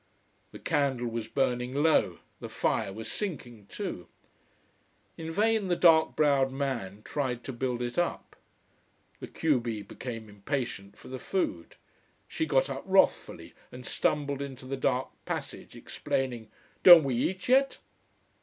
The candle was burning low, the fire was sinking too. In vain the dark browed man tried to build it up. The q b became impatient for the food. She got up wrathfully and stumbled into the dark passage, exclaiming "Don't we eat yet?"